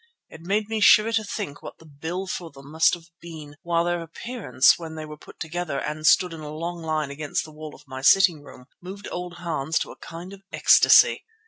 It made me shiver to think what the bill for them must have been, while their appearance when they were put together and stood in a long line against the wall of my sitting room, moved old Hans to a kind of ecstasy.